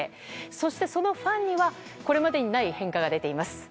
そして、そのファンにはこれまでにない変化が出ています。